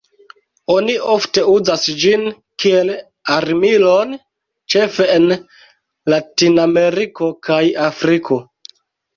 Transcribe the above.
Oni ofte uzas ĝin kiel armilon, ĉefe en Latinameriko kaj Afriko.